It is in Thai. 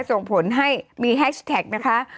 ส่งผลให้มีแฮชแท็กนะคะ